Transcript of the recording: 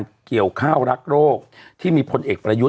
เราก็มีความหวังอะ